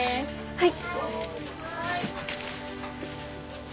はい。